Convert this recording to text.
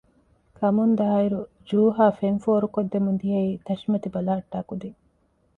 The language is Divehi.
ކަމުން ދާއިރު ޖޫހާއި ފެން ފޯރު ކޮށްދެމުންދިޔައީ ތަށި މަތި ބަލަހަޓާ ކުދިން